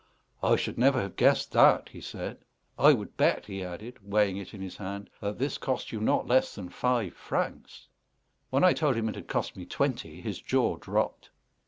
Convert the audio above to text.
"I should never have guessed that," he said. "I would bet," he added, weighing it in his hand, "that this cost you not less than five francs." When I told him it had cost me twenty, his jaw dropped.